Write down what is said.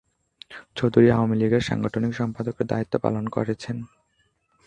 চৌধুরী আওয়ামী লীগের সাংগঠনিক সম্পাদকের দায়িত্ব পালন করছেন।